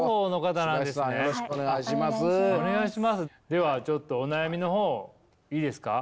ではちょっとお悩みの方いいですか？